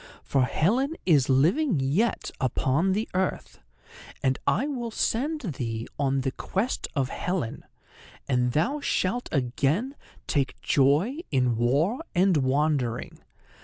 "For Helen is living yet upon the earth. And I will send thee on the quest of Helen, and thou shalt again take joy in war and wandering.